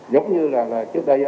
giống như là trước đây